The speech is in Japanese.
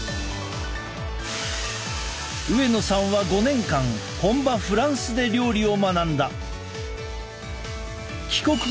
上野さんは５年間本場フランスで料理を学んだ。